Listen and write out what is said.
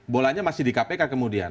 bolanya masih di kpk kemudian